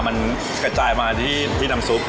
มันกระจายมาที่น้ำซุป